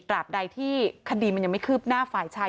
บใดที่คดีมันยังไม่คืบหน้าฝ่ายชาย